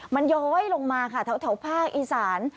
มันย้อยลงมาค่ะแถวภาคอีสาน